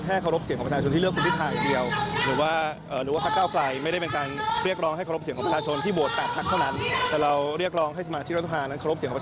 เคารพเสียงของประชาชนที่เลือกคุณพิทาอย่างเดียว